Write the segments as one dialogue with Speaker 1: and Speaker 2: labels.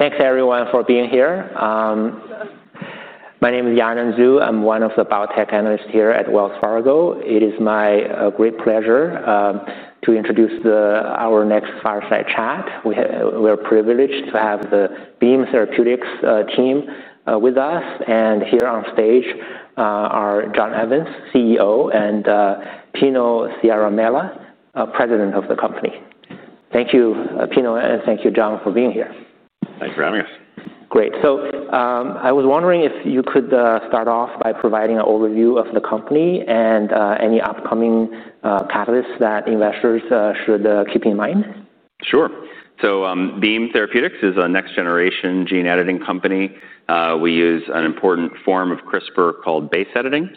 Speaker 1: Thanks, everyone, for being here. My name is Yanan Zhu. I'm one of the Biotech Analysts here at Wells Fargo. It is my great pleasure to introduce our next fireside chat. We are privileged to have the Beam Therapeutics team with us. Here on stage are John Evans, CEO, and Pino Ciaramella, President of the company. Thank you, Pino, and thank you, John, for being here.
Speaker 2: Thanks for having us.
Speaker 1: Great. I was wondering if you could start off by providing an overview of the company and any upcoming catalysts that investors should keep in mind.
Speaker 2: Sure. Beam Therapeutics is a next-generation gene editing company. We use an important form of CRISPR called base editing,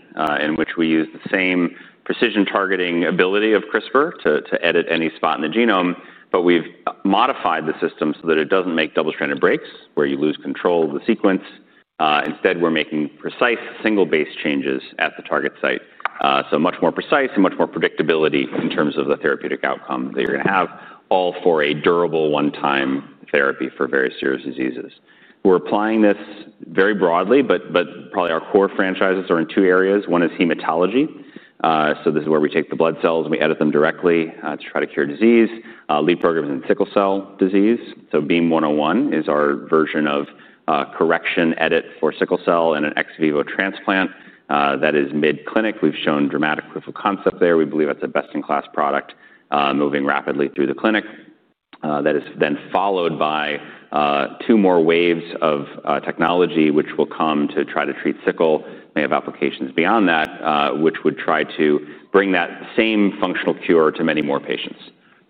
Speaker 2: in which we use the same precision targeting ability of CRISPR to edit any spot in the genome. We have modified the system so that it doesn't make double-stranded breaks where you lose control of the sequence. Instead, we're making precise single-base changes at the target site, so much more precise and much more predictability in terms of the therapeutic outcome that you're going to have, all for a durable one-time therapy for very serious diseases. We're applying this very broadly, but probably our core franchises are in two areas. One is hematology. This is where we take the blood cells, and we edit them directly to try to cure disease. Lead programs in sickle cell disease. BEAM-101 is our version of correction edit for sickle cell and an ex vivo transplant that is mid-clinic. We've shown dramatic proof of concept there. We believe that's a best-in-class product moving rapidly through the clinic. That is then followed by two more waves of technology, which will come to try to treat sickle. They have applications beyond that, which would try to bring that same functional cure to many more patients,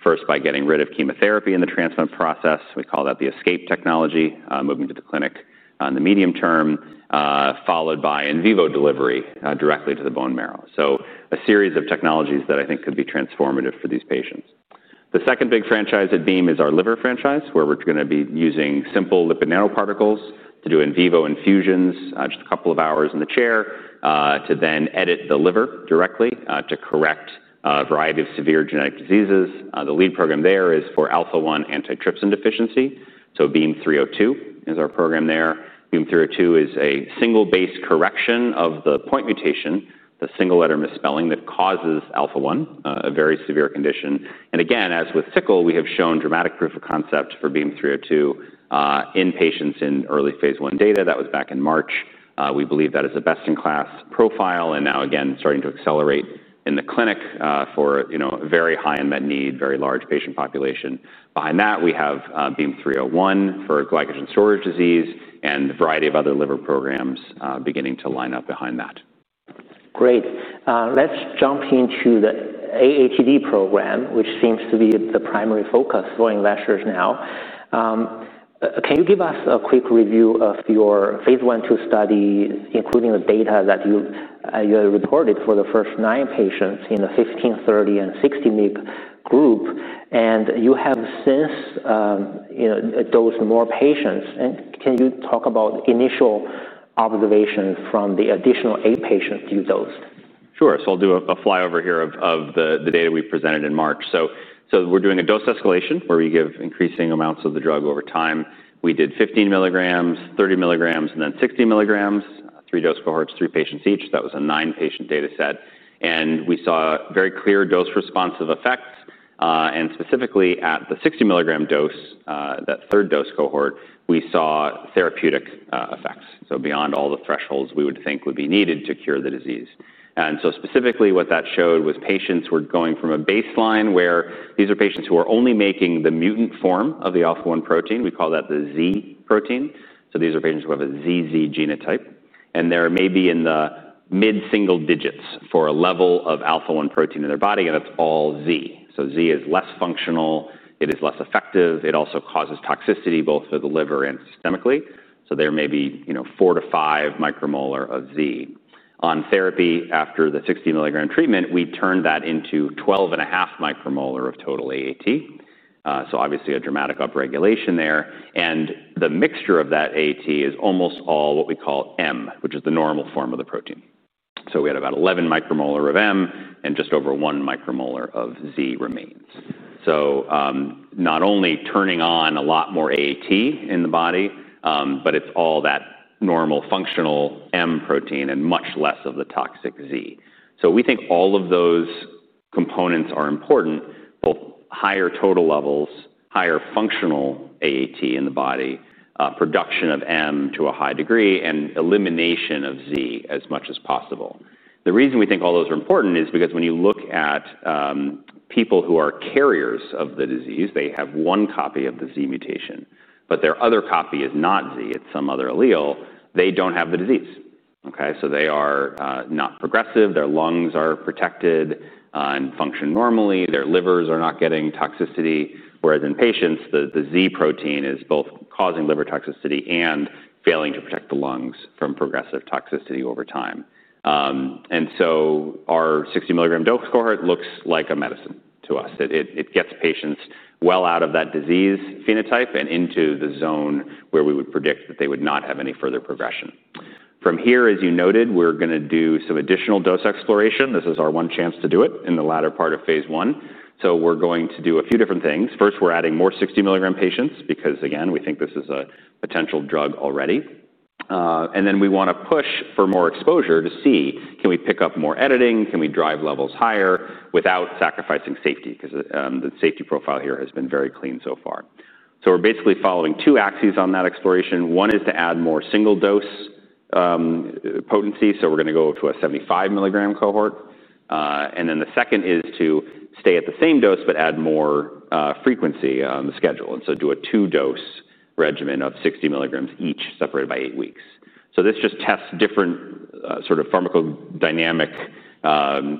Speaker 2: first by getting rid of chemotherapy in the transplant process. We call that the escape technology, moving to the clinic in the medium term, followed by in vivo delivery directly to the bone marrow. A series of technologies that I think could be transformative for these patients. The second big franchise at Beam is our liver franchise, where we're going to be using simple lipid nanoparticles to do in vivo infusions, just a couple of hours in the chair, to then edit the liver directly to correct a variety of severe genetic diseases. The lead program there is for alpha-1 antitrypsin deficiency. BEAM-302 is our program there. BEAM-302 is a single-base correction of the point mutation, the single-letter misspelling that causes alpha-1, a very severe condition. As with sickle, we have shown dramatic proof of concept for BEAM-302 in patients in early phase I data. That was back in March. We believe that is a best-in-class profile and now, again, starting to accelerate in the clinic for a very high unmet need, very large patient population. Behind that, we have BEAM-301 for glycogen storage disease and a variety of other liver programs beginning to line up behind that.
Speaker 1: Great. Let's jump into the AATD program, which seems to be the primary focus for investors now. Can you give us a quick review of your phase I/II study, including the data that you reported for the first nine patients in the 15, 30, and 60-week group? You have since dosed more patients. Can you talk about initial observations from the additional eight patients you dosed?
Speaker 2: Sure. I'll do a flyover here of the data we presented in March. We're doing a dose escalation, where we give increasing amounts of the drug over time. We did 15 mg, 30 mg, and 60 mg, three dose cohorts, three patients each. That was a nine-patient data set. We saw very clear dose-responsive effects. Specifically, at the 60 mg dose, that third dose cohort, we saw therapeutic effects, beyond all the thresholds we would think would be needed to cure the disease. Specifically, what that showed was patients were going from a baseline, where these are patients who are only making the mutant form of the alpha-1 protein. We call that the Z protein. These are patients who have a ZZ genotype. They're maybe in the mid-single digits for a level of alpha-1 protein in their body, and it's all Z. Z is less functional. It is less effective. It also causes toxicity both for the liver and systemically. There may be 4 μM-5 μM o f Z. On therapy, after the 60 mg treatment, we turned that into 12.5 μM of total AAT. Obviously, a dramatic upregulation there. The mixture of that AAT is almost all what we call M, which is the normal form of the protein. We had about 11 μM of M and just over 1 μM of Z remains. Not only turning on a lot more AAT in the body, but it's all that normal functional M protein and much less of the toxic Z. We think all of those components are important, both higher total levels, higher functional AAT in the body, production of M to a high degree, and elimination of Z as much as possible. The reason we think all those are important is because when you look at people who are carriers of the disease, they have one copy of the Z mutation. Their other copy is not Z. It's some other allele. They don't have the disease. They are not progressive. Their lungs are protected and function normally. Their livers are not getting toxicity. Whereas in patients, the Z protein is both causing liver toxicity and failing to protect the lungs from progressive toxicity over time. Our 60 mg dose cohort looks like a medicine to us. It gets patients well out of that disease phenotype and into the zone where we would predict that they would not have any further progression. From here, as you noted, we're going to do some additional dose exploration. This is our one chance to do it in the latter part of phase I. We're going to do a few different things. First, we're adding more 60 mg patients because, again, we think this is a potential drug already. We want to push for more exposure to see, can we pick up more editing? Can we drive levels higher without sacrificing safety? The safety profile here has been very clean so far. We're basically following two axes on that exploration. One is to add more single-dose potency. We're going to go to a 75 mg c ohort. The second is to stay at the same dose but add more frequency on the schedule and do a two-dose regimen of 60 mg each separated by eight weeks. This just tests different sort of pharmacodynamic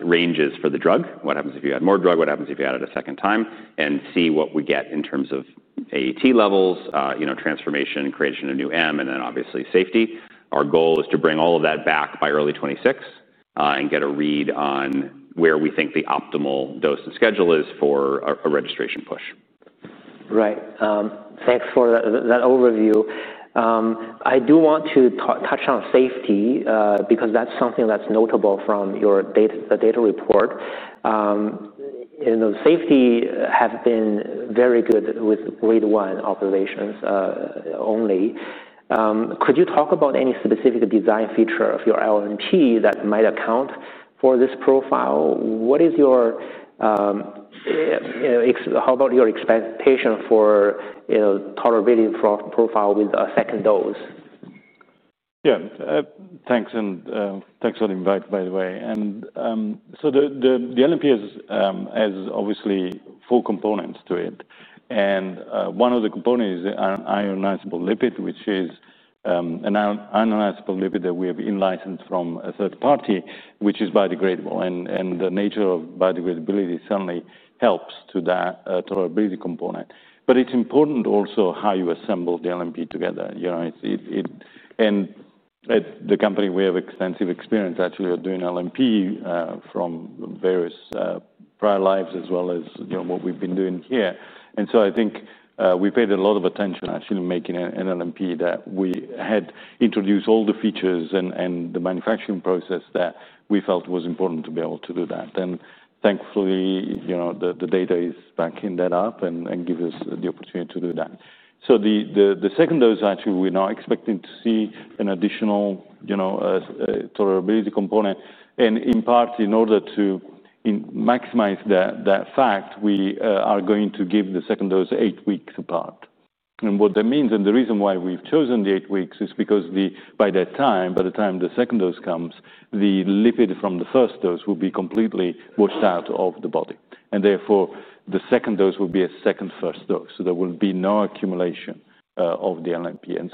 Speaker 2: ranges for the drug, what happens if you add more drug, what happens if you add it a second time, and see what we get in terms of AAT levels, transformation, creation of new M, and then obviously safety. Our goal is to bring all of that back by early 2026 and get a read on where we think the optimal dose and schedule is for a registration push.
Speaker 1: Right. Thanks for that overview. I do want to touch on safety because that's something that's notable from your data report. Safety has been very good with grade 1 observations only. Could you talk about any specific design feature of your LNP that might account for this profile? How about your expectation for tolerability profile with a second dose?
Speaker 3: Yeah. Thanks for the invite, by the way. The LNP has obviously four components to it. One of the components is an ionizable lipid, which is an ionizable lipid that we have licensed from a third party, which is biodegradable. The nature of biodegradability certainly helps to that tolerability component. It's important also how you assemble the LNP together. At the company, we have extensive experience, actually, of doing LNP from various prior lives as well as what we've been doing here. I think we paid a lot of attention, actually, making an LNP that we had introduced all the features and the manufacturing process that we felt was important to be able to do that. Thankfully, the data is backing that up and gives us the opportunity to do that. The second dose, actually, we're now expecting to see an additional tolerability component. In part, in order to maximize that fact, we are going to give the second dose eight weeks apart. What that means and the reason why we've chosen the eight weeks is because by that time, by the time the second dose comes, the lipid from the first dose will be completely washed out of the body. Therefore, the second dose will be a second first dose. There will be no accumulation of the LNP.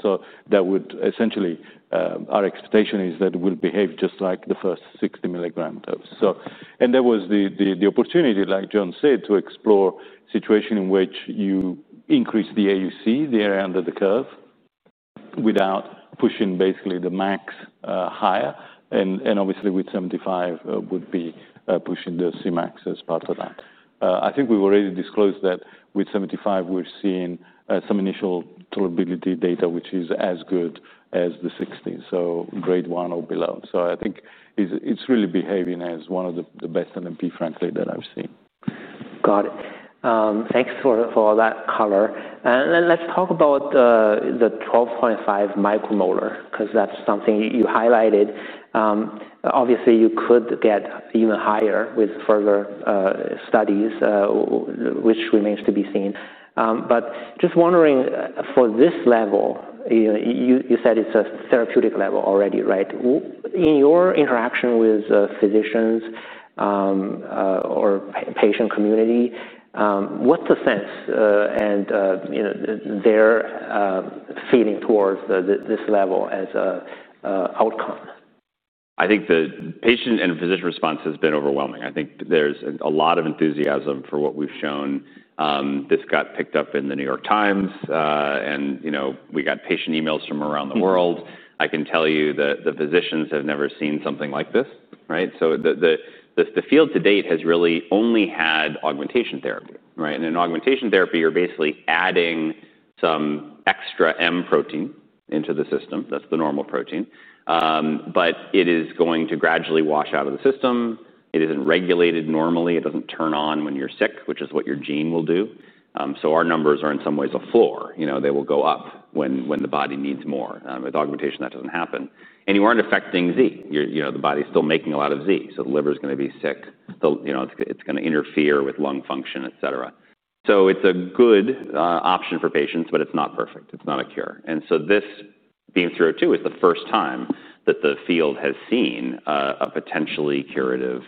Speaker 3: Our expectation is that it will behave just like the first 60 mg dose. There was the opportunity, like John said, to explore a situation in which you increase the AUC, the area under the curve, without pushing basically the max higher. Obviously, with 75 mg, it would be pushing the Cmax as part of that. I think we've already disclosed that with 75 mg, we're seeing some initial tolerability data, which is as good as the 60 mg, so grade 1 or below. I think it's really behaving as one of the best LNP franchisees that I've seen.
Speaker 1: Got it. Thanks for all that color. Let's talk about the 12.5 μM because that's something you highlighted. Obviously, you could get even higher with further studies, which remains to be seen. Just wondering, for this level, you said it's a therapeutic level already, right? In your interaction with physicians or patient community, what's the sense and their feeling towards this level as an outcome?
Speaker 2: I think the patient and physician response has been overwhelming. I think there's a lot of enthusiasm for what we've shown. This got picked up in The New York Times. We got patient emails from around the world. I can tell you that the physicians have never seen something like this. The field to date has really only had augmentation therapy. In augmentation therapy, you're basically adding some extra M protein into the system. That's the normal protein, but it is going to gradually wash out of the system. It isn't regulated normally. It doesn't turn on when you're sick, which is what your gene will do. Our numbers are, in some ways, a floor. They will go up when the body needs more. With augmentation, that doesn't happen, and you aren't affecting Z. The body is still making a lot of Z, so the liver is going to be sick. It's going to interfere with lung function, et c. It's a good option for patients, but it's not perfect. It's not a cure. This BEAM-302 is the first time that the field has seen a potentially curative,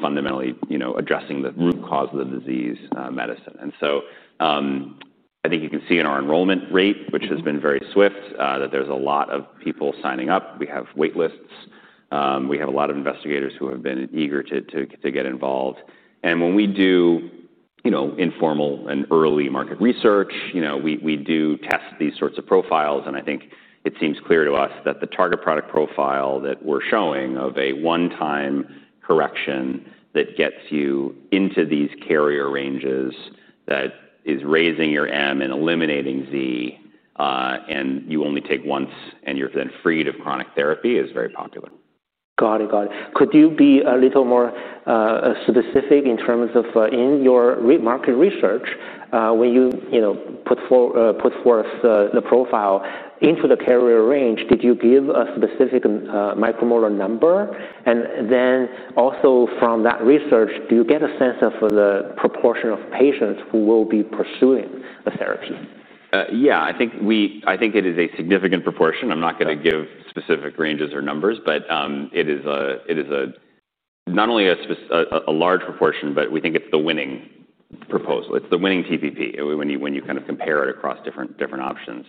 Speaker 2: fundamentally addressing the root cause of the disease medicine. I think you can see in our enrollment rate, which has been very swift, that there's a lot of people signing up. We have wait lists. We have a lot of investigators who have been eager to get involved. When we do informal and early market research, we do test these sorts of profiles. I think it seems clear to us that the target product profile that we're showing of a one-time correction that gets you into these carrier ranges, that is raising your M and eliminating Z, and you only take once and you're then freed of chronic therapy is very popular.
Speaker 1: Got it. Could you be a little more specific in terms of in your market research, when you put forth the profile into the carrier range, did you give a specific micromolar number? Also, from that research, do you get a sense of the proportion of patients who will be pursuing a therapy?
Speaker 2: Yeah. I think it is a significant proportion. I'm not going to give specific ranges or numbers. It is not only a large proportion, but we think it's the winning proposal. It's the winning TPP when you kind of compare it across different options.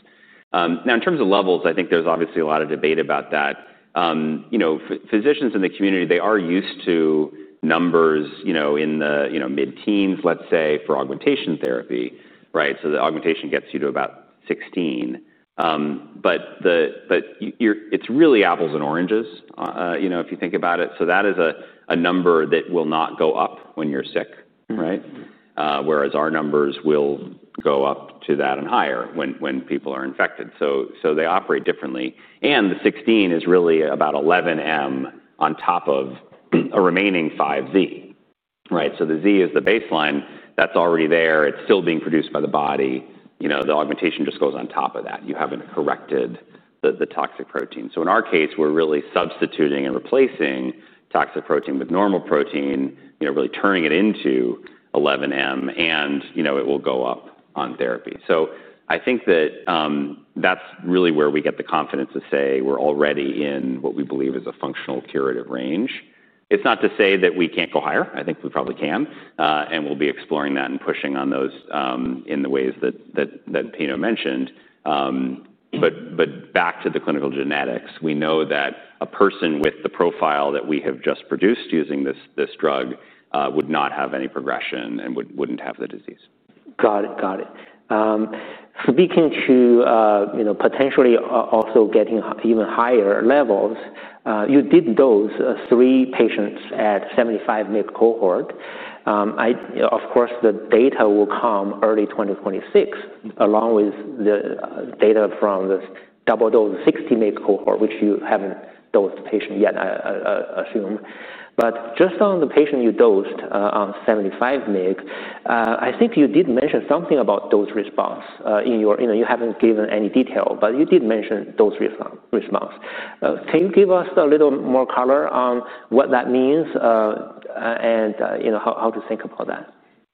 Speaker 2: In terms of levels, I think there's obviously a lot of debate about that. Physicians in the community, they are used to numbers in the mid-teens, let's say, for augmentation therapy. The augmentation gets you to about 16 µM. It's really apples and oranges, if you think about it. That is a number that will not go up when you're sick, whereas our numbers will go up to that and higher when people are infected. They operate differently. The 16 µM is really about 11 M on top of a remaining 5 Z. The Z is the baseline. That's already there. It's still being produced by the body. The augmentation just goes on top of that. You haven't corrected the toxic protein. In our case, we're really substituting and replacing toxic protein with normal protein, really turning it into 11 M. It will go up on therapy. I think that that's really where we get the confidence to say we're already in what we believe is a functional curative range. It's not to say that we can't go higher. I think we probably can. We'll be exploring that and pushing on those in the ways that Pino mentioned. Back to the clinical genetics, we know that a person with the profile that we have just produced using this drug would not have any progression and wouldn't have the disease.
Speaker 1: Got it. Got it. Speaking to potentially also getting even higher levels, you did dose three patients at the 75 mg cohort. Of course, the data will come early 2026, along with the data from the double dose 60 mg cohort, which you haven't dosed a patient yet, I assume. Just on the patient you dosed on 75 mg, I think you did mention something about dose response. You haven't given any detail, but you did mention dose response. Can you give us a little more color on what that means and how to think about that?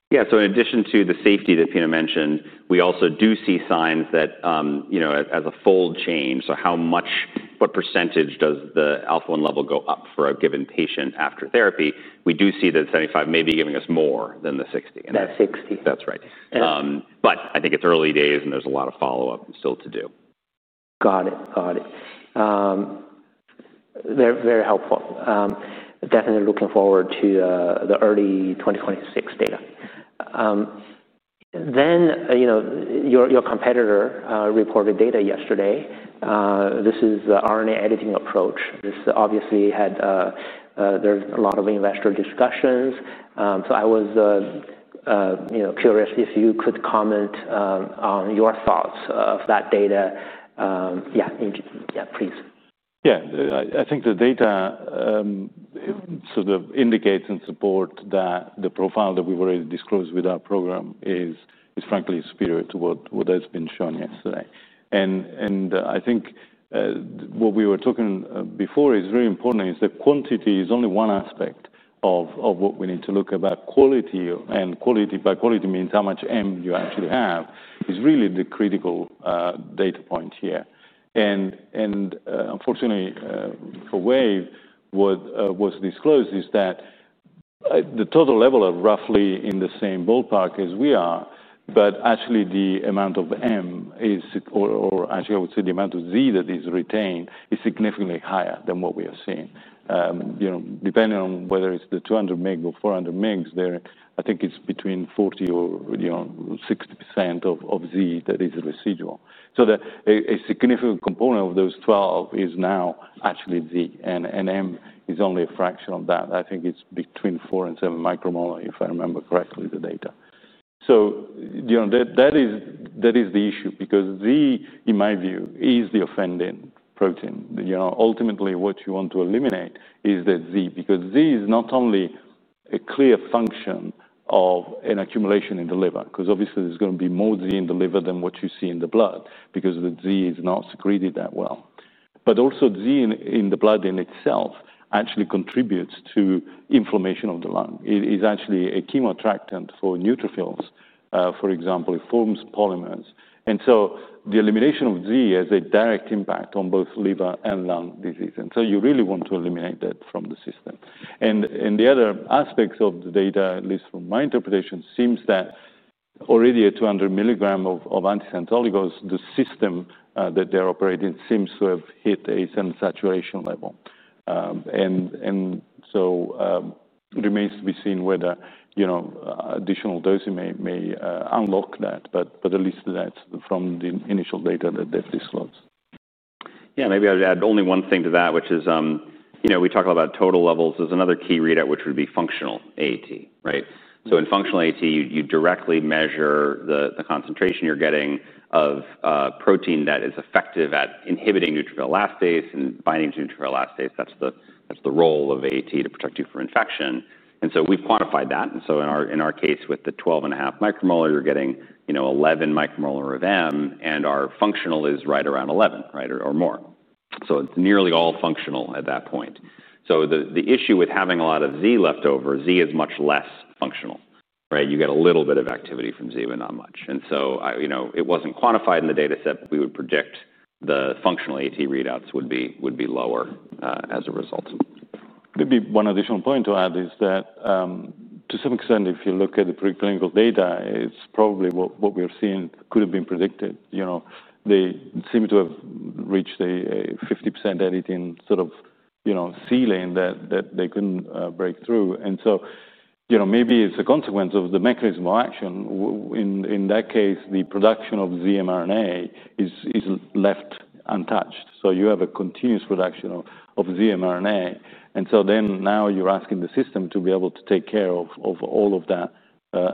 Speaker 2: Yeah. In addition to the safety that Pino mentioned, we also do see signs that as a fold change, what percentage does the alpha-1 level go up for a given patient after therapy? We do see that 75 mg may be giving us more than the 60 mg.
Speaker 1: Than 60 mg.
Speaker 2: That's right. I think it's early days, and there's a lot of follow-up still to do.
Speaker 1: Got it. Very helpful. Definitely looking forward to the early 2026 data. Your competitor reported data yesterday. This is the RNA editing approach. This obviously had a lot of investor discussions. I was curious if you could comment on your thoughts of that data. Yeah, please.
Speaker 3: Yeah. I think the data sort of indicates and supports that the profile that we've already disclosed with our program is, frankly, superior to what has been shown yesterday. I think what we were talking before is very important, that quantity is only one aspect of what we need to look at. Quality, and by quality, I mean how much M you actually have, is really the critical data point here. Unfortunately, for Wave, what was disclosed is that the total level is roughly in the same ballpark as we are, but actually, the amount of M is, or actually, I would say the amount of Z that is retained is significantly higher than what we are seeing. Depending on whether it's the 200 mg or 400 mg, I think it's between 40% or 60% of Z that is residual. A significant component of those 12 µM is now actually Z, and M is only a fraction of that. I think it's between 4 μM and 7 μM, if I remember correctly, the data. That is the issue because Z, in my view, is the offending protein. Ultimately, what you want to eliminate is the Z because Z is not only a clear function of an accumulation in the liver, because obviously, there's going to be more Z in the liver than what you see in the blood, because the Z is not secreted that well. Also, Z in the blood in itself actually contributes to inflammation of the lung. It is actually a chemoattractant for neutrophils. For example, it forms polymers. The elimination of Z has a direct impact on both liver and lung disease. You really want to eliminate that from the system. The other aspects of the data, at least from my interpretation, seem that already at 200 mg of antisense oligos, the system that they're operating seems to have hit a certain saturation level. It remains to be seen whether additional dosing may unlock that, but at least that's from the initial data that they've disclosed.
Speaker 2: Yeah. Maybe I'd add only one thing to that, which is we talked about total levels. There's another key readout, which would be functional AAT. In functional AAT, you directly measure the concentration you're getting of protein that is effective at inhibiting neutrophil elastase and binding to neutrophil elastase. That's the role of AAT to protect you from infection. We've quantified that. In our case, with the 12.5 μM, you're getting 11 μM of M. Our functional is right around 11 µM or more. It's nearly all functional at that point. The issue with having a lot of Z left over is Z is much less functional. You get a little bit of activity from Z, but not much. It wasn't quantified in the data set, but we would predict the functional AAT readouts would be lower as a result.
Speaker 3: Maybe one additional point to add is that to some extent, if you look at the preclinical data, it's probably what we are seeing could have been predicted. They seem to have reached a 50% editing sort of ceiling that they couldn't break through. It may be a consequence of the mechanism of action. In that case, the production of Z mRNA is left untouched, so you have a continuous production of Z mRNA. Now you're asking the system to be able to take care of all of that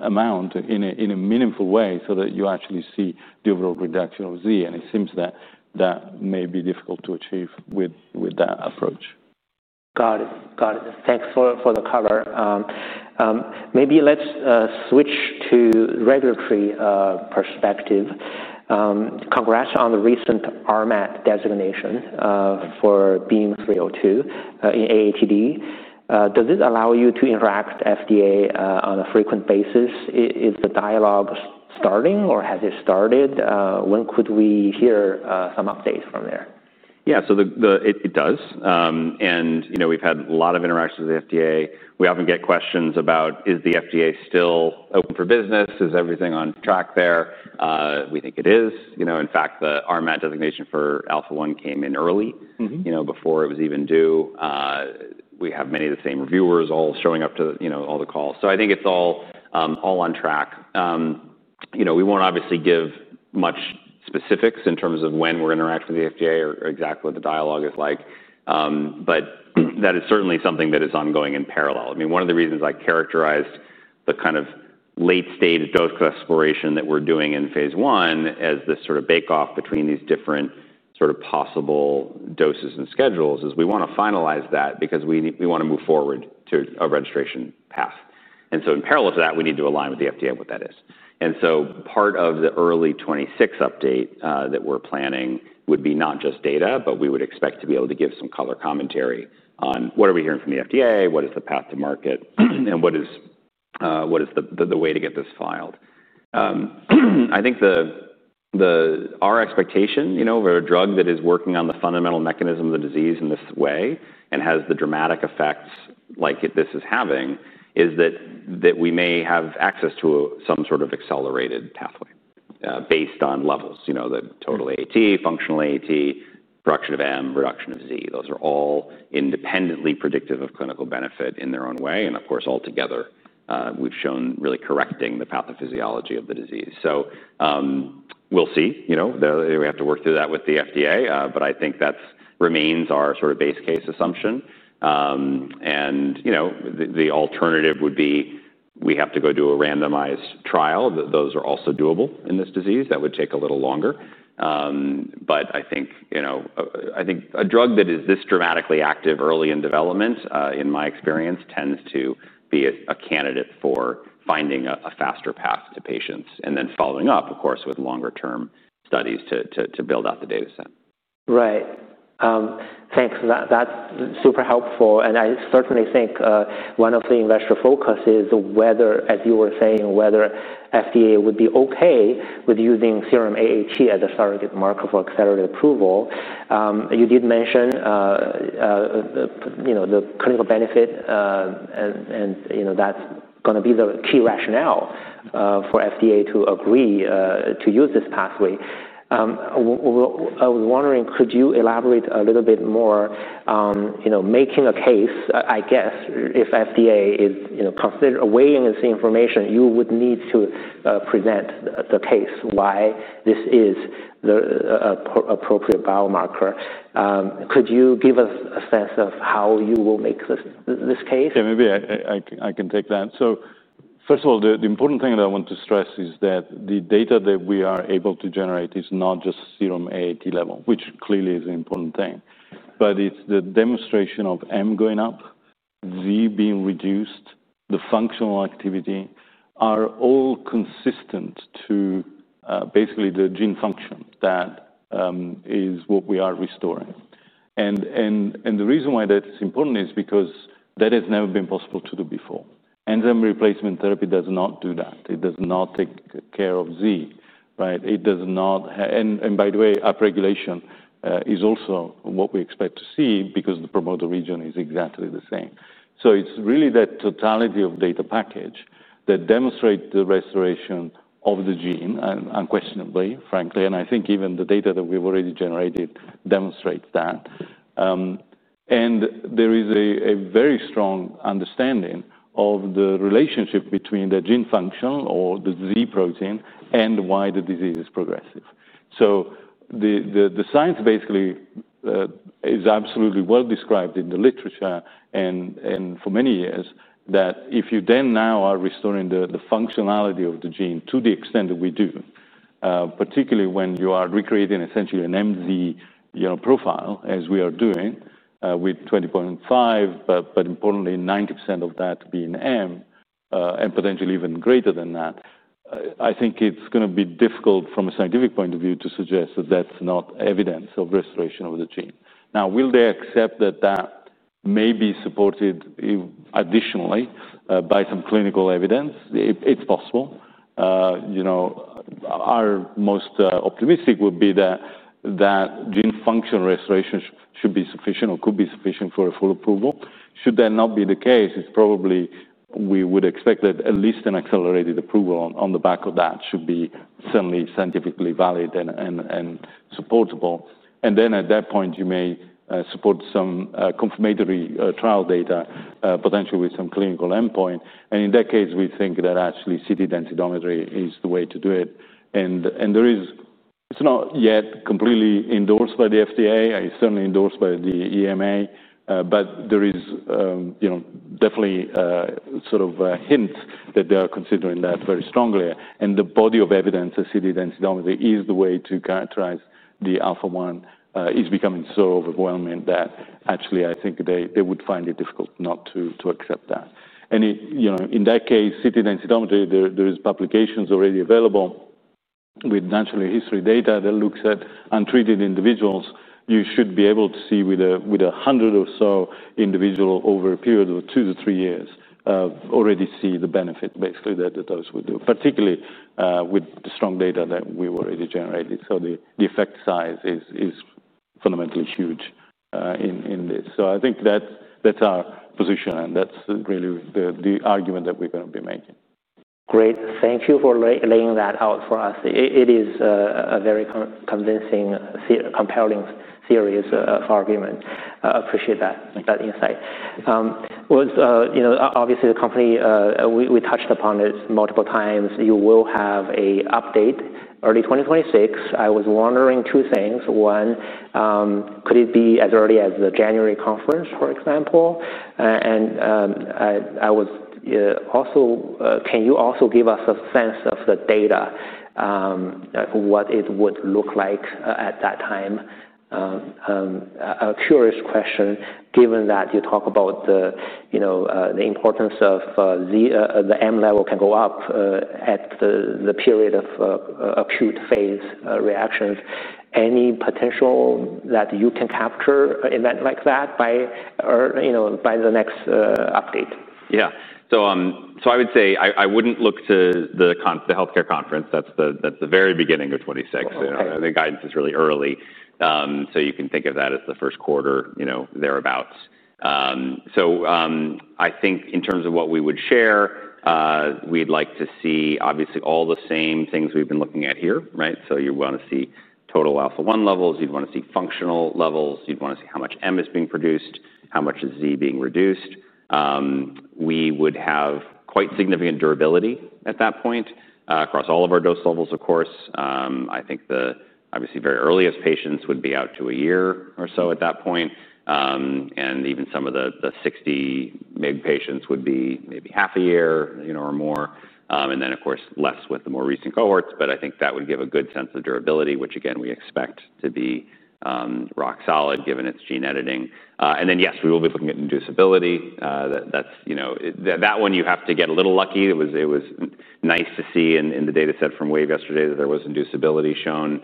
Speaker 3: amount in a meaningful way so that you actually see the overall reduction of Z. It seems that that may be difficult to achieve with that approach.
Speaker 1: Got it. Got it. Thanks for the cover. Maybe let's switch to the regulatory perspective. Congrats on the recent RMAT designation for BEAM-302 in AATD. Does this allow you to interact with the FDA on a frequent basis? Is the dialogue starting, or has it started? When could we hear some updates from there?
Speaker 2: Yeah. It does. We've had a lot of interactions with the FDA. We often get questions about, is the FDA still open for business? Is everything on track there? We think it is. In fact, the RMAT designation for alpha-1 came in early before it was even due. We have many of the same reviewers all showing up to all the calls. I think it's all on track. We won't obviously give much specifics in terms of when we're interacting with the FDA or exactly what the dialogue is like. That is certainly something that is ongoing in parallel. One of the reasons I characterized the kind of late-stage dose exploration that we're doing in phase I as this sort of bake-off between these different possible doses and schedules is we want to finalize that because we want to move forward to a registration path. In parallel to that, we need to align with the FDA on what that is. Part of the early 2026 update that we're planning would be not just data, but we would expect to be able to give some color commentary on what are we hearing from the FDA, what is the path to market, and what is the way to get this filed. I think our expectation for a drug that is working on the fundamental mechanism of the disease in this way and has the dramatic effects like this is having is that we may have access to some sort of accelerated pathway based on levels: the total AAT, functional AAT, reduction of M, reduction of Z. Those are all independently predictive of clinical benefit in their own way. Of course, altogether, we've shown really correcting the pathophysiology of the disease. We'll see. We have to work through that with the FDA. I think that remains our sort of base case assumption. The alternative would be we have to go do a randomized trial. Those are also doable in this disease. That would take a little longer. I think a drug that is this dramatically active early in development, in my experience, tends to be a candidate for finding a faster path to patients and then following up, of course, with longer-term studies to build out the data set.
Speaker 1: Right. Thanks. That's super helpful. I certainly think one of the investor focuses, as you were saying, is whether FDA would be OK with using serum AAT as a surrogate marker for accelerated approval. You did mention the clinical benefit, and that's going to be the key rationale for FDA to agree to use this pathway. I was wondering, could you elaborate a little bit more, making a case, I guess, if FDA is weighing this information, you would need to present the case why this is the appropriate biomarker. Could you give us a sense of how you will make this case?
Speaker 3: Maybe I can take that. First of all, the important thing that I want to stress is that the data that we are able to generate is not just serum AAT level, which clearly is an important thing. It's the demonstration of M going up, Z being reduced, the functional activity are all consistent to basically the gene function that is what we are restoring. The reason why that is important is because that has never been possible to do before. Enzyme replacement therapy does not do that. It does not take care of Z. By the way, upregulation is also what we expect to see because the promoter region is exactly the same. It's really that totality of data package that demonstrates the restoration of the gene, unquestionably, frankly. I think even the data that we've already generated demonstrates that. There is a very strong understanding of the relationship between the gene function or the Z protein and why the disease is progressive. The science basically is absolutely well described in the literature and for many years that if you then now are restoring the functionality of the gene to the extent that we do, particularly when you are recreating essentially an MZ profile, as we are doing with 20.5 µM, but importantly, 90% of that being M and potentially even greater than that, I think it's going to be difficult from a scientific point of view to suggest that that's not evidence of restoration of the gene. Will they accept that that may be supported additionally by some clinical evidence? It's possible. Our most optimistic would be that gene function restoration should be sufficient or could be sufficient for a full approval. Should that not be the case, we would expect that at least an accelerated approval on the back of that should be certainly scientifically valid and supportable. At that point, you may support some confirmatory trial data, potentially with some clinical endpoint. In that case, we think that actually seated densitometry is the way to do it. It's not yet completely endorsed by the FDA. It's certainly endorsed by the EMA. There is definitely sort of a hint that they are considering that very strongly. The body of evidence, a seated densitometry, is the way to characterize the alpha-1. It's becoming so overwhelming that actually, I think they would find it difficult not to accept that. In that case, seated densitometry, there are publications already available with natural history data that looks at untreated individuals. You should be able to see with 100 or so individuals over a period of two to three years already see the benefit, basically, that those would do, particularly with the strong data that we've already generated. The effect size is fundamentally huge in this. I think that's our position. That's really the argument that we're going to be making.
Speaker 1: Great. Thank you for laying that out for us. It is a very convincing, compelling series of arguments. I appreciate that insight. Obviously, the company, we touched upon this multiple times. You will have an update early 2026. I was wondering two things. One, could it be as early as the January conference, for example? I was also, can you also give us a sense of the data, what it would look like at that time? A curious question, given that you talk about the importance of the M level can go up at the period of acute phase reactions. Any potential that you can capture an event like that by the next update?
Speaker 2: Yeah. I would say I wouldn't look to the health care conference. That's the very beginning of 2026. The guidance is really early, so you can think of that as the first quarter, thereabouts. I think in terms of what we would share, we'd like to see, obviously, all the same things we've been looking at here. You'd want to see total alpha-1 levels, functional levels, how much M is being produced, and how much Z is being reduced. We would have quite significant durability at that point across all of our dose levels, of course. The very earliest patients would be out to a year or so at that point, and even some of the 60 mg patients would be maybe half a year or more. Of course, less with the more recent cohorts. That would give a good sense of durability, which, again, we expect to be rock solid given it's gene editing. Yes, we will be looking at inducibility. That one, you have to get a little lucky. It was nice to see in the data set from Wave yesterday that there was inducibility shown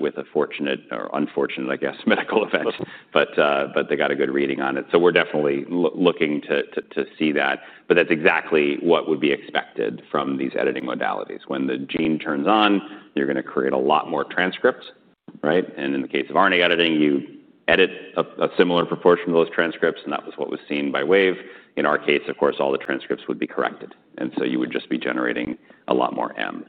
Speaker 2: with a fortunate or unfortunate, I guess, medical event, but they got a good reading on it. We're definitely looking to see that. That's exactly what would be expected from these editing modalities. When the gene turns on, you're going to create a lot more transcripts. In the case of RNA editing, you edit a similar proportion of those transcripts, and that was what was seen by Wave. In our case, all the transcripts would be corrected, so you would just be generating a lot more M.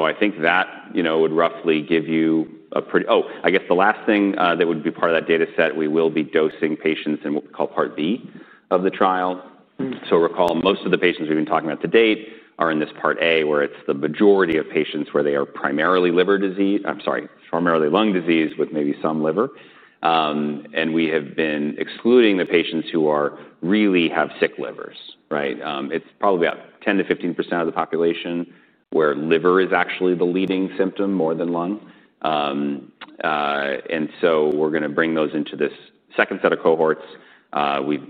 Speaker 2: I think that would roughly give you a pretty—oh, I guess the last thing that would be part of that data set, we will be dosing patients in what we call part B of the trial. Recall, most of the patients we've been talking about to date are in this part A, where it's the majority of patients where they are primarily lung disease with maybe some liver. We have been excluding the patients who really have sick livers. It's probably about 10% - 15% of the population where liver is actually the leading symptom more than lung, so we're going to bring those into this second set of cohorts. We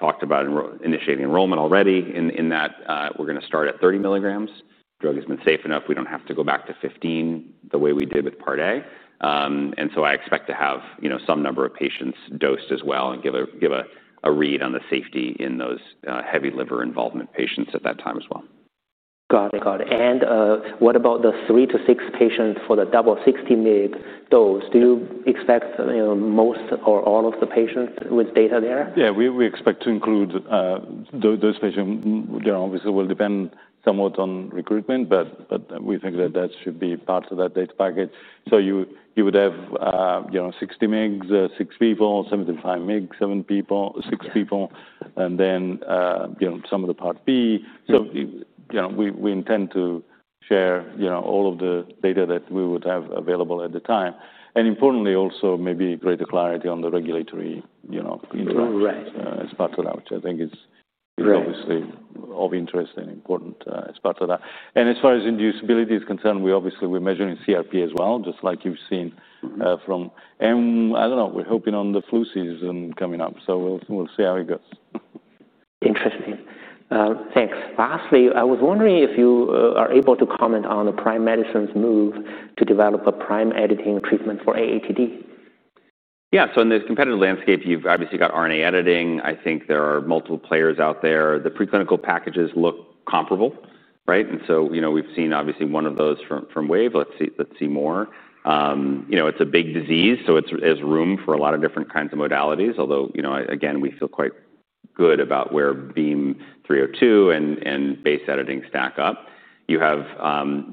Speaker 2: talked about initiating enrollment already in that. We're going to start at 30 mg. The drug has been safe enough. We don't have to go back to 15 mg the way we did with part A. I expect to have some number of patients dosed as well and give a read on the safety in those heavy liver involvement patients at that time as well.
Speaker 1: Got it. What about the three to six patients for the double 60 mg dose? Do you expect most or all of the patients with data there?
Speaker 3: Yeah. We expect to include those patients. They obviously will depend somewhat on recruitment, but we think that that should be part of that data package. You would have 60 mg, six people; 75 mg, seven people; six people; and then some of the part B. We intend to share all of the data that we would have available at the time. Importantly, also maybe greater clarity on the regulatory cleanup as part of that, which I think is obviously of interest and important as part of that. As far as inducibility is concerned, we obviously are measuring CRP as well, just like you've seen from M. I don't know. We're hoping on the flu season coming up. We'll see how it goes.
Speaker 1: Interesting. Thanks. Lastly, I was wondering if you are able to comment on Prime Medicine's move to develop a prime editing treatment for AATD.
Speaker 2: Yeah. In this competitive landscape, you've obviously got RNA editing. I think there are multiple players out there. The preclinical packages look comparable. We've seen obviously one of those from Wave. Let's see more. It's a big disease. There's room for a lot of different kinds of modalities, although again, we feel quite good about where BEAM-302 and base editing stack up. You have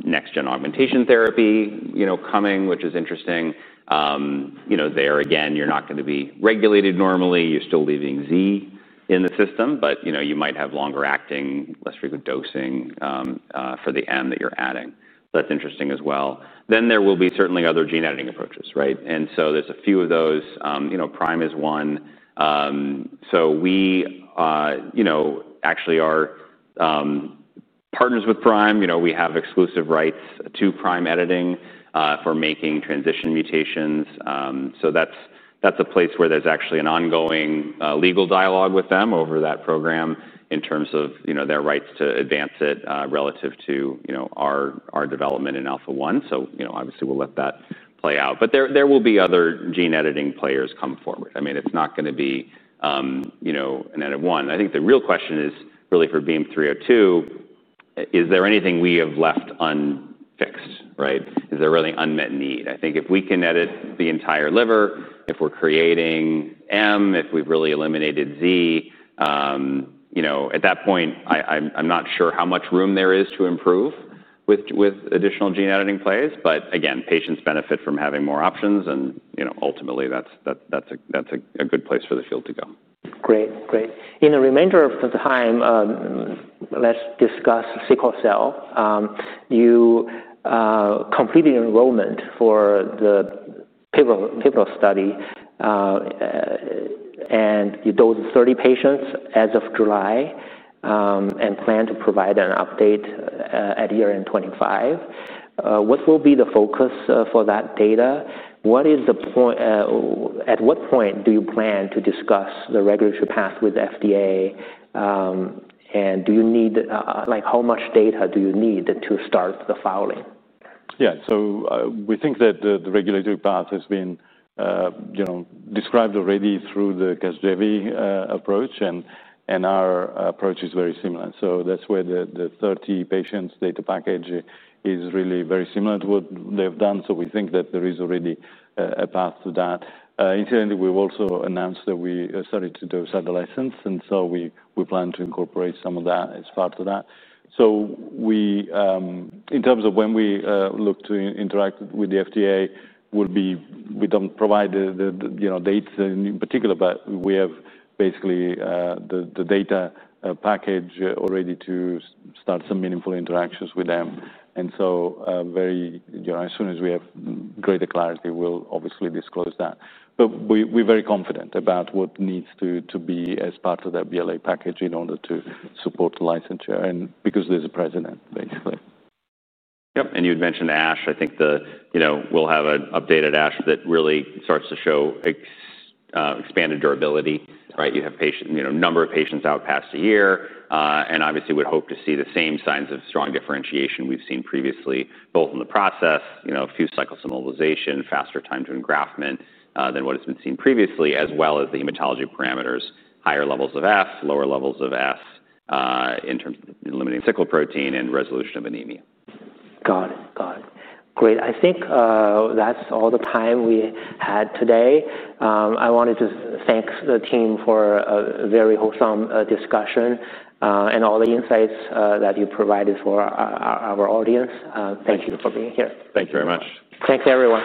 Speaker 2: next-gen augmentation therapy coming, which is interesting. There again, you're not going to be regulated normally. You're still leaving Z in the system, but you might have longer acting, less frequent dosing for the M that you're adding. That's interesting as well. There will be certainly other gene editing approaches. There's a few of those. Prime is one. We actually are partners with Prime. We have exclusive rights to prime editing for making transition mutations. That's a place where there's actually an ongoing legal dialogue with them over that program in terms of their rights to advance it relative to our development in alpha-1. Obviously, we'll let that play out. There will be other gene editing players come forward. It's not going to be an added one. I think the real question is really for BEAM-302, is there anything we have left unfixed? Is there really an unmet need? I think if we can edit the entire liver, if we're creating M, if we've really eliminated Z, at that point, I'm not sure how much room there is to improve with additional gene editing players. Again, patients benefit from having more options. Ultimately, that's a good place for the field to go.
Speaker 1: Great. Great. In the remainder of the time, let's discuss sickle cell. You completed enrollment for the pivotal study. You dosed 30 patients as of July and plan to provide an update at year end 2025. What will be the focus for that data? At what point do you plan to discuss the regulatory path with the FDA? Do you need, like, how much data do you need to start the filing?
Speaker 3: Yeah. We think that the regulatory path has been described already through the CASGEVY approach, and our approach is very similar. That's where the 30 patients data package is really very similar to what they've done. We think that there is already a path to that. Initially, we've also announced that we started to dose adolescents, and we plan to incorporate some of that as part of that. In terms of when we look to interact with the FDA, we don't provide the dates in particular, but we have basically the data package already to start some meaningful interactions with them. Very soon as we have greater clarity, we'll obviously disclose that. We're very confident about what needs to be as part of that BLA package in order to support the licensure, and because there's a precedent, basically.
Speaker 2: Yep. You had mentioned ASH. I think we'll have an updated ASH that really starts to show expanded durability. You have a number of patients out past a year. Obviously, we'd hope to see the same signs of strong differentiation we've seen previously, both in the process, a few cycles of mobilization, faster time to engraftment than what has been seen previously, as well as the hematology parameters, higher levels of F, lower levels of S in terms of eliminating sickle protein and resolution of anemia.
Speaker 1: Got it. Great. I think that's all the time we had today. I wanted to thank the team for a very wholesome discussion and all the insights that you provided for our audience. Thank you for being here.
Speaker 2: Thank you very much.
Speaker 1: Thank s everyone.